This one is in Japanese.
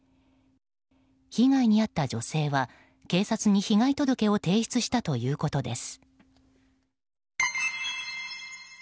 被害に遭った女性は、警察に被害届を提出したということです。